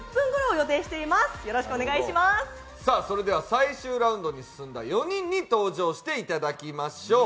最終ラウンドに進んだ４人に登場してもらいましょう。